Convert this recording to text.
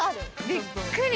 びっくり！